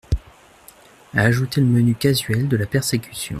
Ajoutez le menu casuel de la persécution.